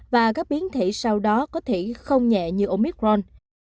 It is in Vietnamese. và các biến thể sau đó có thể không nhẹ như omicron